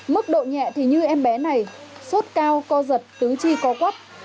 mức độ nhẹ thì như em bé này sốt cao co giật tứ chi co quất